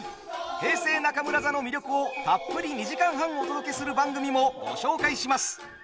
平成中村座の魅力をたっぷり２時間半お届けする番組もご紹介します。